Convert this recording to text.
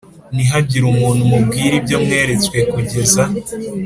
Ntihagire umuntu mubwira ibyo mweretswe kugeza